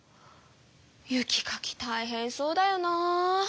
雪かきたいへんそうだよなぁ。